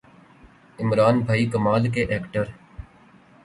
عمران بھائی کمال کے ایکڑ